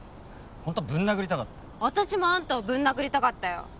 ホントはぶん殴りたかった私もあんたをぶん殴りたかったよ